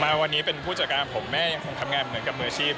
มาวันนี้เป็นผู้จัดการผมแม่ยังคงทำงานเหมือนกับมืออาชีพ